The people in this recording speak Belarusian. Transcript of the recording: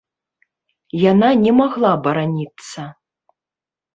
Яна не магла бараніцца.